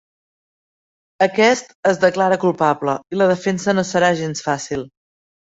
Aquest es declara culpable, i la defensa no serà gens fàcil.